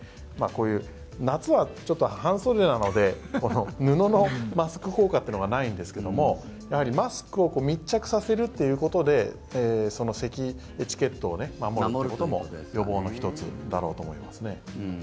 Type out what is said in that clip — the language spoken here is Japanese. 夏はちょっと半袖なので布のマスク効果はないんですがマスクを密着させるということでせきエチケットを守ることも予防の１つだろうと思いますね。